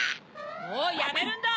もうやめるんだ！